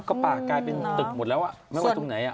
ก็ป่ากลายเป็นตึกหมดแล้วไม่ว่าตรงไหน